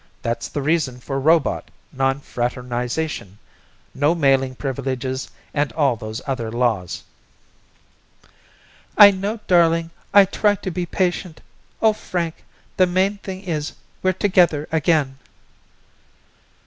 That's the reason for robot non fraternization, no mailing privileges and all those other laws." "I know, darling, I try to be patient. Oh, Frank, the main thing is we're together again!"